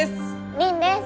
凛です！